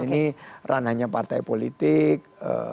ini ranahnya partai politik